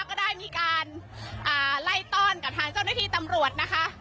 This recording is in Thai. ก็ได้มีการไล่ต้อนกับทางเจ้าหน้าที่ตำรวจนะคะ